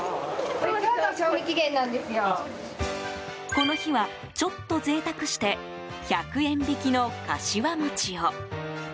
この日は、ちょっと贅沢して１００円引きの柏餅を。